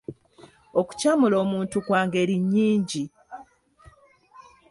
Okukyamula muntu kwa ngeri nnyingi.